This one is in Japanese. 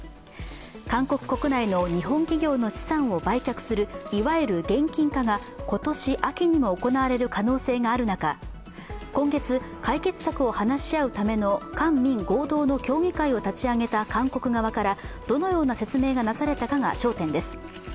韓国国内の日本企業の資産を売却する、いわゆる現金化が今年秋にも行われる可能性がある中、今月、解決策を話し合うための官民合同の協議会を立ち上げた韓国側からどのような説明がなされたかが焦点です。